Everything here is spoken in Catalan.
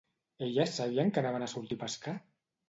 Elles sabien que anaven a sortir a pescar?